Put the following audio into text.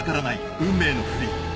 運命のフリー。